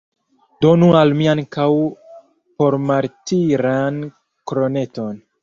Donu al mi ankaŭ pormartiran kroneton!